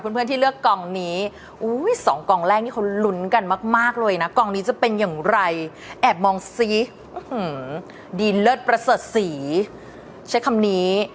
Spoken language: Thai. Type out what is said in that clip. ดีเลิศประเสริฐสีเช็คคำนี้